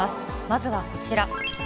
まずはこちら。